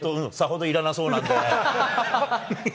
さほどいらなそうなんで。